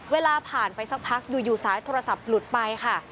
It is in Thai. เวลาผ่านไปสักพักอยู่สายโทรศัพท์หลุดไปค่ะ